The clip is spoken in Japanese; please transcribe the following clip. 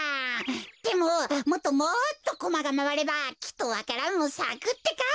でももっともっとコマがまわればきっとわか蘭もさくってか！